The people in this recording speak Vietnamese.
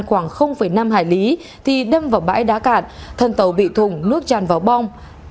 khoảng năm hải lý thì đâm vào bãi đá cạn thân tàu bị thùng nước tràn vào bong